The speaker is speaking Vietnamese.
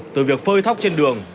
từ việc phơi thóc trên đường